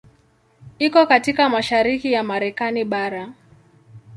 Iko katika mashariki ya Marekani bara.